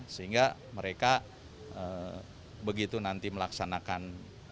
sehingga mereka begitu nanti melaksanakan